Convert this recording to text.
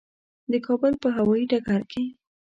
د کابل په هوایي ډګر کې.